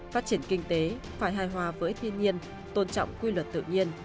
phát triển kinh tế phải hài hòa với thiên nhiên tôn trọng quy luật tự nhiên